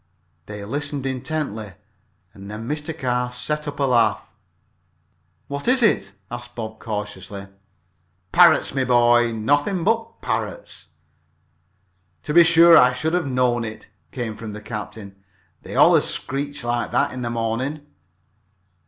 They listened intently, and then Mr. Carr set up a laugh. "What is it?" asked Bob, curiously. "Parrots, my boy, nothing but parrots." "To be sure I should have knowed it," came from the captain. "They allers screech like that in the morning."